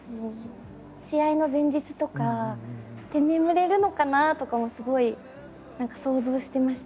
試合の前日とかって眠れるのかなとかもすごい何か想像してました。